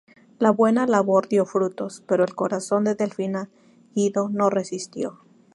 La buena labor dio frutos, pero el corazón de Delfina Guido no resistió.